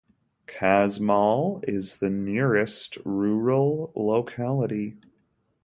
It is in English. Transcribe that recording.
Kazmaaul is the nearest rural locality.